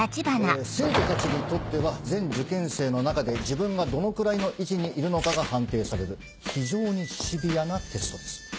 生徒たちにとっては全受験生の中で自分がどのくらいの位置にいるのかが判定される非常にシビアなテストです。